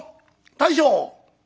大将」。